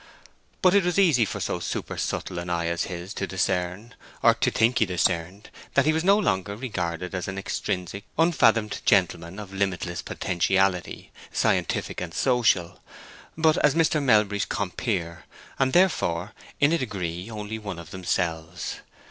But it was easy for so super subtle an eye as his to discern, or to think he discerned, that he was no longer regarded as an extrinsic, unfathomed gentleman of limitless potentiality, scientific and social; but as Mr. Melbury's compeer, and therefore in a degree only one of themselves.